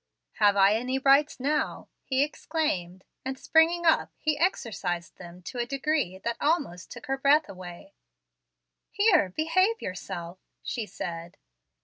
"Have I any rights now?" he exclaimed; and, springing up, he exercised them to a degree that almost took away her breath. "Here, behave yourself," she said.